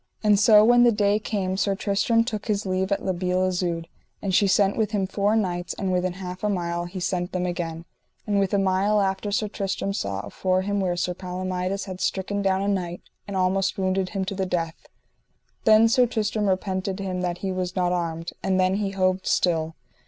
And so when the day came Sir Tristram took his leave at La Beale Isoud, and she sent with him four knights, and within half a mile he sent them again: and within a mile after Sir Tristram saw afore him where Sir Palomides had stricken down a knight, and almost wounded him to the death. Then Sir Tristram repented him that he was not armed, and then he hoved still.